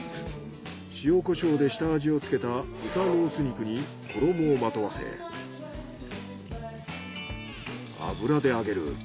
塩コショウで下味をつけた豚ロース肉に衣をまとわせ油で揚げる。